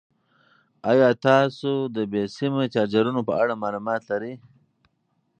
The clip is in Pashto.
ایا تاسو د بې سیمه چارجرونو په اړه معلومات لرئ؟